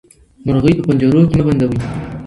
مرغۍ په پنجرو کې مه بندوئ.